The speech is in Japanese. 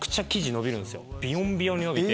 ビヨンビヨンに伸びて。